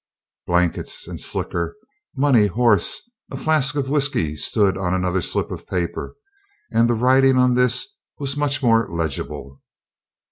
Blankets and slicker, money, horse. A flask of whisky stood on another slip of the paper. And the writing on this was much more legible.